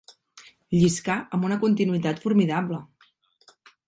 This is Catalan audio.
Lliscà amb una continuïtat formidable.